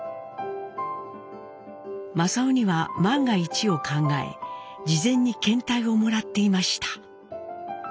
正雄には万が一を考え事前に検体をもらっていました。